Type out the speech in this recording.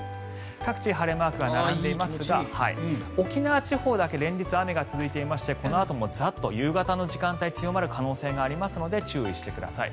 各地、晴れマークが並んでいますが沖縄地方だけ連日、雨が続いていましてこのあともザッと夕方の時間帯強まる可能性がありますので注意してください。